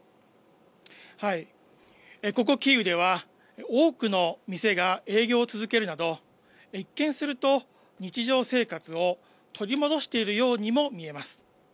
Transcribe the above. ここキーウでは、多くの店が営業を続けるなど、一見すると、日常生活を取り戻しているようにも見えます。